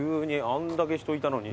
あんだけ人いたのに。